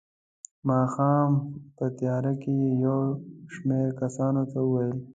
د ماښام په تیاره کې یې یو شمېر کسانو ته وویل.